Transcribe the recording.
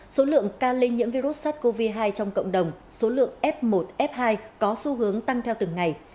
số lượng ca lây nhiễm virus sars cov hai trong cộng đồng số lượng f một f hai có xu hướng tăng theo từng ngày